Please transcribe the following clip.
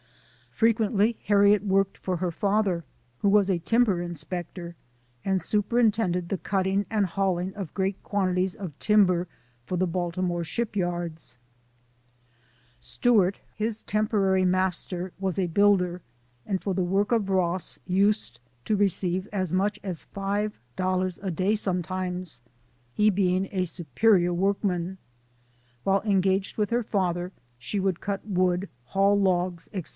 Frequently Harriet worked for her lather, who was a timber inspector, and superin tended the cutting and hauling of great quantities of timber for the Baltimore ship yards. Stewart, his temporary master, was a builder, and for the work of Ross used to receive as much as five dollars a day sometimes, he being a superior work 76 SOME SCENES IN THE man. While engaged with her father, she would cut wood, haul logs, etc.